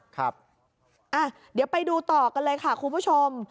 ครับเดี๋ยวไปดูต่อกันเลยค่ะคุณผู้ชม